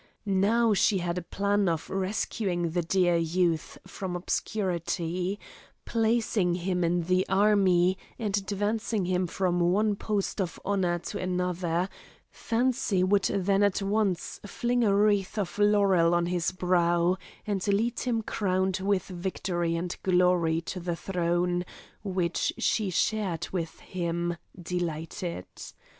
Now she had a plan of rescuing the dear youth from obscurity, placing him in the army, and advancing him from one post of honour to another; fancy would then at once fling a wreath of laurel on his brow, and lead him crowned with victory and glory to the throne, which she shared with him, delighted.